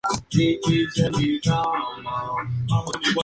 Poco se sabe sobre la arquitectura antes de la dinastía Omeya.